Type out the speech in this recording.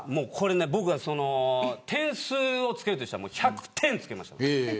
僕は点数をつけるとしたら１００点つけます。